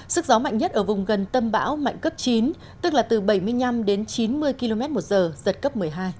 sức gió mạnh nhất ở vùng gần tâm bão mạnh cấp chín tức là từ bảy mươi năm đến chín mươi km một giờ giật cấp một mươi hai